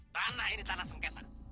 tanah ini tanah sengketa